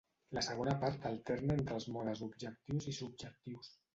La segona part alterna entre els modes objectius i subjectius.